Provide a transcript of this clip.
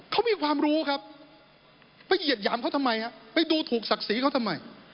เขามีความรู้ครับไปเหยียดหยามเขาทำไมฮะไปดูถูกศักดิ์ศรีเขาทำไม